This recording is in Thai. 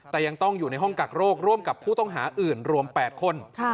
แต่ยังต้องอยู่ในห้องกักโรคร่วมกับผู้ต้องหาอื่นรวม๘คน